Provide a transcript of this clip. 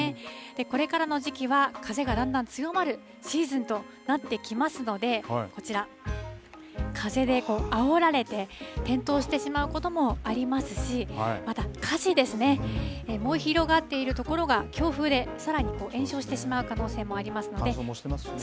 これからの時期は風がだんだん強まるシーズンとなってきますので、こちら、風であおられて、転倒してしまうこともありますし、また火事ですね、燃え広がっている所が強風でさらに延焼してしまう可能性もありま乾燥もしてますしね。